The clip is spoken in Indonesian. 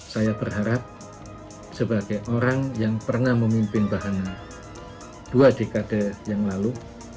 saya berharap sebagai orang yang pernah memimpin bahana dua dekade yang lalu